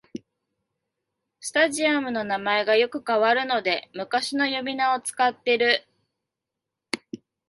スタジアムの名前がよく変わるので昔の呼び名を使ってる